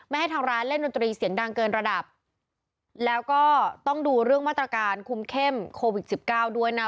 ให้ทางร้านเล่นดนตรีเสียงดังเกินระดับแล้วก็ต้องดูเรื่องมาตรการคุมเข้มโควิดสิบเก้าด้วยนะ